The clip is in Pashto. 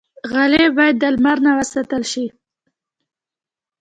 غلۍ باید د لمر نه وساتل شي.